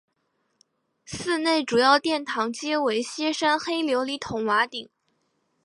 寺内主要殿堂皆为歇山黑琉璃筒瓦顶。